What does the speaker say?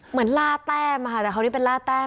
เหมือนล่าแต้มค่ะแต่คราวนี้เป็นล่าแต้ม